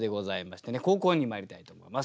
後攻にまいりたいと思います。